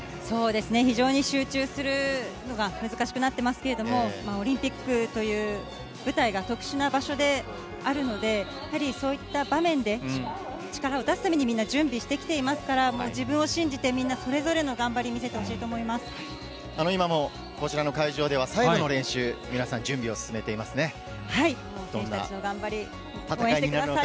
そうですね、非常に集中するのが難しくなってますけれども、オリンピックという舞台が、特殊な場所であるので、やっぱりそういった場面で、力を出すためにみんな準備してきていますから、もう自分を信じてみんなそれぞれの頑張り、見せて今もこちらの会場では、最後の練習、皆さん、準備を進めていますね。